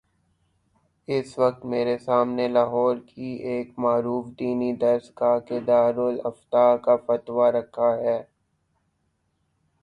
اس وقت میرے سامنے لاہور کی ایک معروف دینی درس گاہ کے دارالافتاء کا فتوی رکھا ہے۔